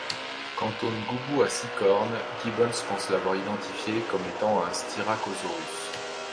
Quant au ngoubou à six cornes, Gibbons pense l'avoir identifié comme étant un Styracosaurus.